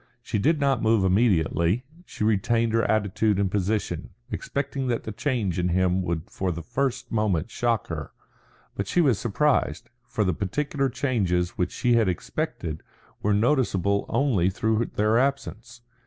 She did not move immediately; she retained her attitude and position, expecting that the change in him would for the first moment shock her. But she was surprised; for the particular changes which she had expected were noticeable only through their absence.